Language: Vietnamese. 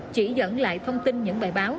chỉ dẫn lại thông tin những bài báo